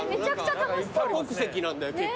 多国籍なんだよ結構。